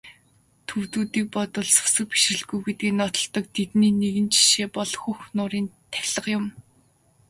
Төвөдүүдийг бодвол сүсэг бишрэлгүй гэдгээ нотолдог тэдний нэгэн жишээ бол Хөх нуурын тахилга юм.